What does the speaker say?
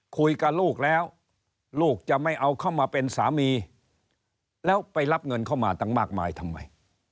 คุยกับลูกแล้วลูกจะไม่เอาเข้ามาเป็นสามีแล้วไปรับเงินเข้ามาตั้งมากมายทำไม